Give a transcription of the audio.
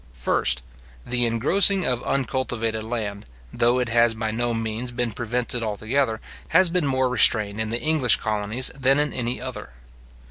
First, The engrossing of uncultivated land, though it has by no means been prevented altogether, has been more restrained in the English colonies than in any other.